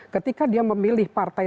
ketika dia memilih partai